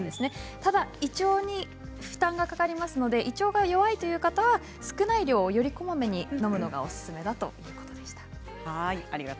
ただ胃腸に負担がかかりますので胃腸が弱い方は少ない量をよりこまめに飲むのがおすすめだということでした。